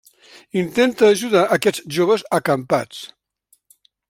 Intenta ajudar aquests joves acampats.